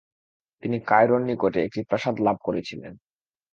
তিনি কায়রোর নিকটে একটি প্রাসাদ লাভ করেছিলেন।